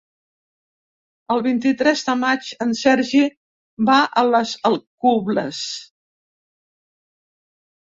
El vint-i-tres de maig en Sergi va a les Alcubles.